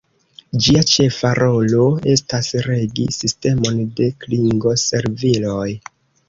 Ĝia ĉefa rolo estas regi sistemon de klingo-serviloj.